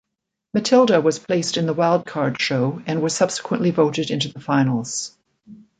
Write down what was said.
Mathilda was placed in the wildcard show and was subsequently voted into the finals.